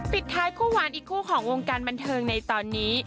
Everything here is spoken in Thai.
ปิดท้ายคู่หวานอีกคู่ของวงการบันเทิงในตอนนี้